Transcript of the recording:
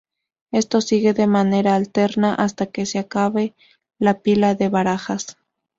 Esto sigue de manera alterna hasta que se acabe la pila de barajas.